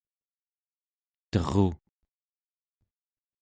teru